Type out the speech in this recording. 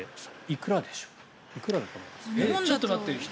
いくらでしょう、１人。